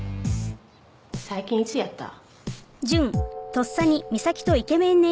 最近いつやった？